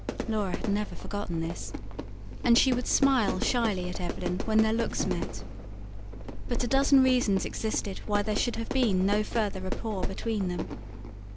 Laura had never forgotten this; and she would smile shyly at Evelyn when their looks met. But a dozen reasons existed why there should have been no further rapport between them.